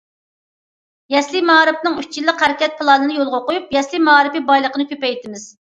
يەسلى مائارىپىنىڭ ئۈچ يىللىق ھەرىكەت پىلانىنى يولغا قويۇپ، يەسلى مائارىپى بايلىقىنى كۆپەيتىمىز.